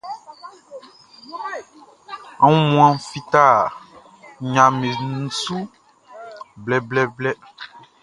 Aunmuanʼn fita nɲaʼm be su blɛblɛblɛ.